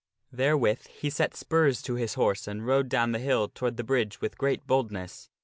Therewith he set spurs to his horse and rode down the hill toward the bridge with great boldness.